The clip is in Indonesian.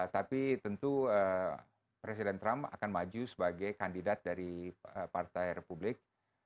tapi tentu presiden trump akan maju sebagai kandidat dari partai republik